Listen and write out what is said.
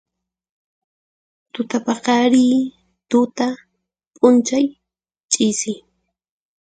Tuta paqariy, tuta, p'unchay, ch'isi.